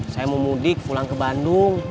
saya mau mudik pulang ke bandung